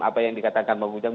apa yang dikatakan pak gujang